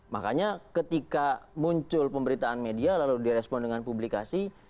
makanya ketika muncul pemberitaan media lalu direspon dengan publikasi